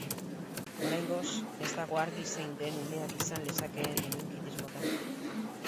Oraingoz ez dago argi zein den umeak izan lezakeen meningitis mota.